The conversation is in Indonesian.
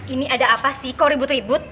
ini ada apa sih kok ribut ribut